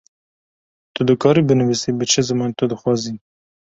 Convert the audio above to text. Tu dikarî binîvisî bi çi zimanî tu dixwazî.